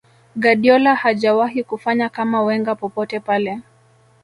guardiola hajawahi kufanya kama wenger popote pale